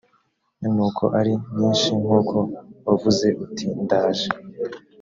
nuko ari nyinshi nk uko wavuze uti ndaje